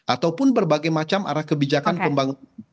ataupun berbagai macam arah kebijakan pembangunan